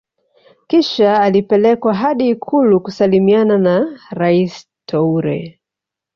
Kisha alipelekwa hadi ikulu kusalimiana na Rais Toure